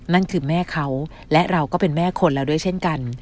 นั่นคือแม่เขาและเราก็เป็นแม่คนแล้วด้วยเช่นกัน